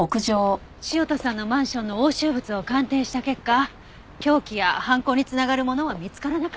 潮田さんのマンションの押収物を鑑定した結果凶器や犯行に繋がるものは見つからなかった。